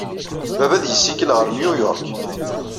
Baba ad yessikel ɣer New York.